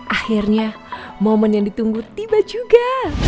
akhirnya momen yang ditunggu tiba juga